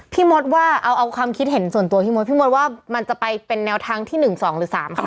พี่มดว่าเอาความคิดเห็นส่วนตัวพี่มดพี่มดว่ามันจะไปเป็นแนวทางที่๑๒หรือ๓ค่ะ